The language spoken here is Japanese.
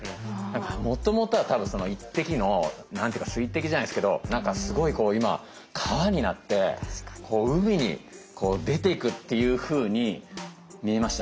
もともとは多分１滴の何て言うか水滴じゃないですけど何かすごいこう今川になって海に出ていくっていうふうに見えました。